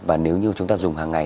và nếu như chúng ta dùng hàng ngày